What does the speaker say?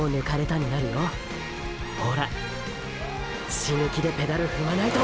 死ぬ気でペダル踏まないと！！